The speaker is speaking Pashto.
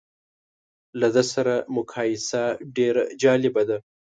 له ده سره مقایسه ډېره جالبه ده.